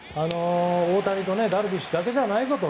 大谷とダルビッシュだけじゃないぞと。